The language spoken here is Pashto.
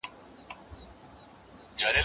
د انقلاب د پيروانو پوښتنه په عاطفه کي ده.